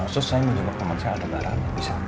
so saya mau jemput teman saya ada ke arah bisa